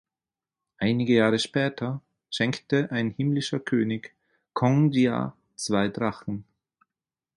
Einige Jahre später schenkte ein Himmlischer König Kong Jia zwei Drachen.